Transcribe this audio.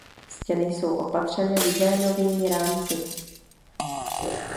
Stěny jsou opatřeny lizénovými rámci.